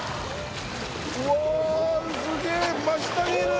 うわっすげえ真下にいる！